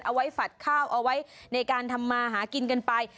ไว้ฝัดข้าวเอาไว้ในการทำมาหากินกันไป